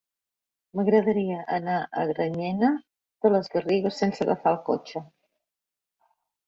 M'agradaria anar a Granyena de les Garrigues sense agafar el cotxe.